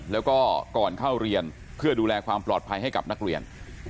แล้วก็ก่อนเข้าเรียนเพื่อดูแลความปลอดภัยให้กับนักเรียน